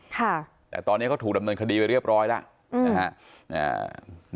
แต่ตอนนี้ก็ถูกดำเนินคดีไปเรียบร้อยแล้ว